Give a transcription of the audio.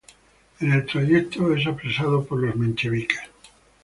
En el trayecto es apresado por los bolcheviques.